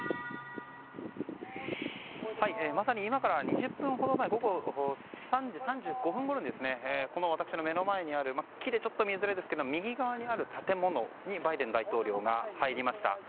まさに今から２０分ほど前午後３時３５分ごろに私の目の前にある木でちょっと見えづらいですけど右側にある建物にバイデン大統領が入りました。